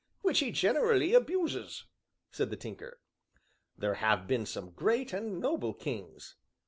"Which he generally abuses," said the Tinker. "There have been some great and noble kings."